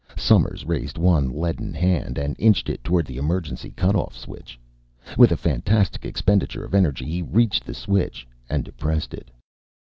Somers raised one leaden hand and inched it toward the emergency cut off switch. With a fantastic expenditure of energy, he reached the switch, depressed it.